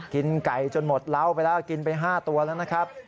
กินไก่จนหมดเหล้าไปแล้วกินไป๕ตัวแล้วนะครับ